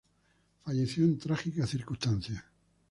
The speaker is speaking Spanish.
Falleció en trágicas circunstancias.